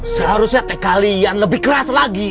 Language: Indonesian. seharusnya te kalian lebih keras lagi